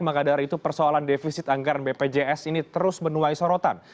makadar itu persoalan defisit anggaran bpjs ini terus berkembang